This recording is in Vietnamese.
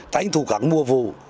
tánh thủ khẳng mua vù